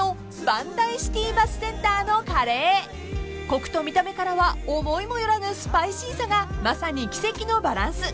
［コクと見た目からは思いもよらぬスパイシーさがまさに奇跡のバランス］